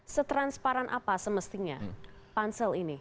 setransparan apa semestinya pansel ini